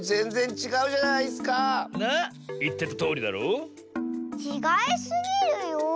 ちがいすぎるよ。